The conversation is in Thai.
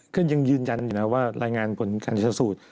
ก็ยังยืนยันว่ารายงานกฏทชาติสูตร